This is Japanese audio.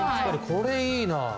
これいいな。